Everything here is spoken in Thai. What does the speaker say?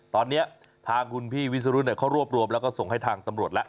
ตอนนี้ทางคุณพี่วิสรุธเขารวบรวมแล้วก็ส่งให้ทางตำรวจแล้ว